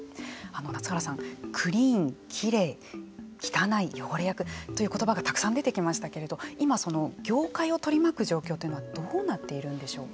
夏原さん、クリーン、きれい汚い、汚れ役という言葉がたくさん出てきましたけれども今、業界を取り巻く状況はどうなっているんでしょうか。